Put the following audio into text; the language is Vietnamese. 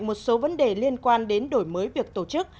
một số vấn đề liên quan đến đổi mới việc tổ chức